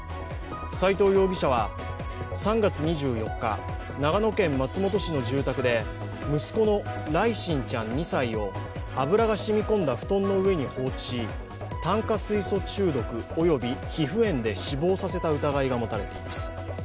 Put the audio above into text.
斉藤容疑者は３月２４日、長野県松本市の住宅で息子の來心ちゃん２歳を油がしみこんだ布団の上に放置し炭化水素中毒および皮膚炎で死亡させた疑いが持たれています。